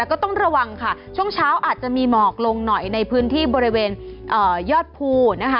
ก็ต้องระวังค่ะช่วงเช้าอาจจะมีหมอกลงหน่อยในพื้นที่บริเวณยอดภูนะคะ